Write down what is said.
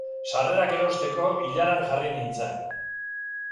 Sarrerak erosteko ilaran jarri nintzen.